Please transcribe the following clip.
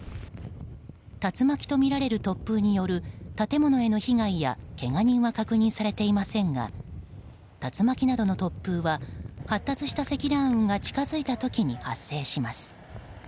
竜巻とみられる突風による建物の被害やけが人は確認されていませんが竜巻などの突風は発達した積乱雲が近づいた時に発生します。